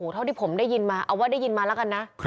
เท่าที่ผมได้ยินมาเอาว่าได้ยินมาแล้วกันนะ